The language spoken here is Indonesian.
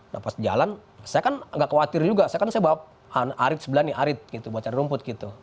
nah pas jalan saya kan agak khawatir juga saya kan saya bawa arit sebelah nih arit gitu buat cari rumput gitu